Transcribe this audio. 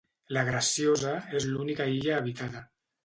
La Graciosa és l'única illa habitada.